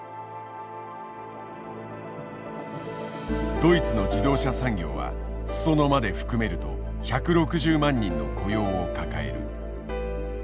ドイツの自動車産業は裾野まで含めると１６０万人の雇用を抱える。